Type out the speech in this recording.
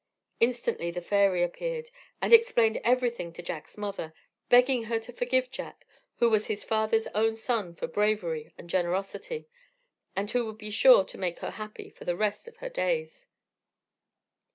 Instantly the fairy appeared, and explained everything to Jack's mother, begging her to forgive Jack, who was his father's own son for bravery and generosity, and who would be sure to make her happy for the rest of her days.